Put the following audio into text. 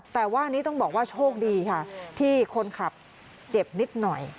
แต่ว่านี้ต้องบอกว่าโชคดีค่ะที่คนขับเจ็บนิดหน่อย